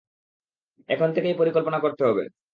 এখন থেকেই পরিকল্পনা করতে হবে।